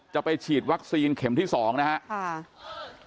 จะไปฉีดวัคซีนเข็มที่๒นะครับ